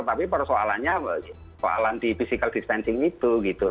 tapi persoalannya persoalan di physical distancing itu